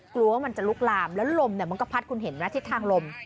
กลัวว่ามันจะลุกลามแล้วลมมันก็พัดคุณเห็นไหมทิศทางลม